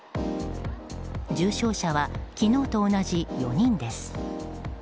重症者は昨日と同じ４人です。